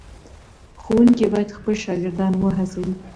ښوونکي باید خپل شاګردان وهڅوي.